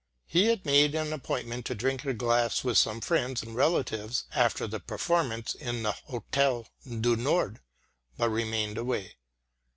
He had made an appointment to drink a glass with some friends and relatives after the performance in the Hôtel du Nord, but remained away.